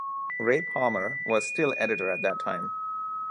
Ray Palmer was still editor at that time.